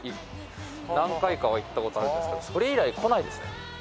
何回かは行った事あるんですけどそれ以来来ないですね。